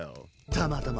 たまたま。